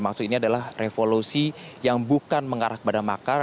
maksud ini adalah revolusi yang bukan mengarah kepada makar